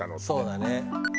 そうだね。